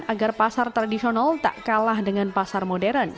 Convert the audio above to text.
agar pasar tradisional tak kalah dengan pasar modern